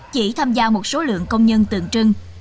chỉ tham gia một số lượng công nhân tượng trưng